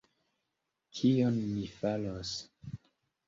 Kion ni faros?!